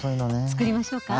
作りましょうか？